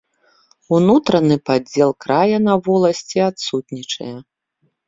Унутраны падзел края на воласці адсутнічае.